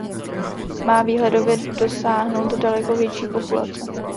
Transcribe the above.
Má výhledově dosáhnout daleko větší populace.